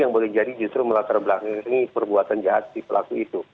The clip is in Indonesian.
yang boleh jadi justru melatar belakangi perbuatan jahat si pelaku itu